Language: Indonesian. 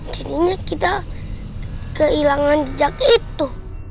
jadinya kita kehilangan jejak itu